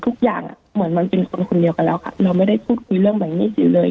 ทุกอย่างเหมือนมันเป็นคนคนเดียวกันแล้วค่ะเราไม่ได้พูดคุยเรื่องแบบนี้อยู่เลย